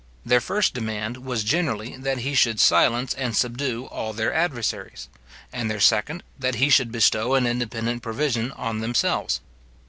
Their first demand was generally that he should silence and subdue all their adversaries; and their second, that he should bestow an independent provision on themselves.